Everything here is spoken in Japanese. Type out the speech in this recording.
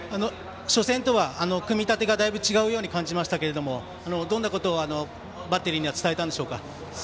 初戦とは組み立てがだいぶ違うように感じましたけれどもどんなことをバッテリーには伝えたんでしょうか？